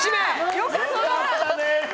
よかったね。